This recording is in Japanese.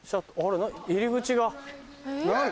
入り口が何？